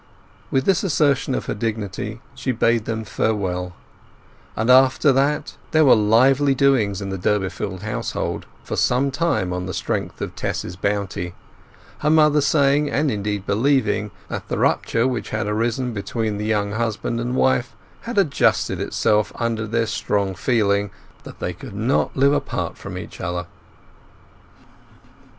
With this assertion of her dignity she bade them farewell; and after that there were lively doings in the Durbeyfield household for some time on the strength of Tess's bounty, her mother saying, and, indeed, believing, that the rupture which had arisen between the young husband and wife had adjusted itself under their strong feeling that they could not live apart from each other.